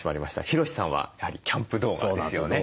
ヒロシさんはやはりキャンプ動画なんですよね。